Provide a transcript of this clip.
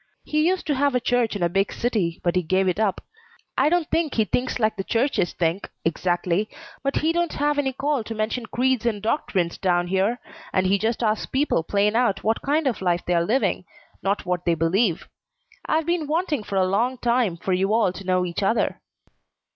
He used to have a church in a big city, but he gave it up. I don't think he thinks like the churches think, exactly, but he don't have any call to mention creeds and doctrines down here, and he just asks people plain out what kind of life they're living, not what they believe. I've been wanting for a long time for you all to know each other."